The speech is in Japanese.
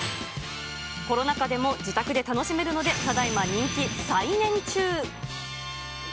コロナ禍でも自宅で楽しめるので、ただ今人気再燃中。